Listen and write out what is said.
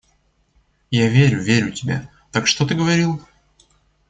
Я верю, верю тебе... Так что ты говорил?